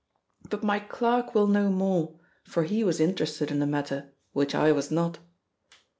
But my clerk will know more, for he was interested in the matter, which I was not."